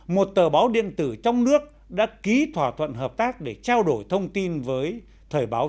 một tờ báo điện tử trong nước đã ký thỏa thuận hợp tác để trao đổi thông tin với thời báo